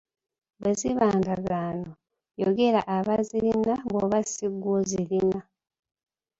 Bwe ziba ndagaano, yogera abazirina bw'oba si ggwe ozorina!